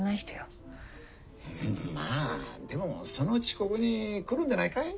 んまあでもそのうちここに来るんでないかい？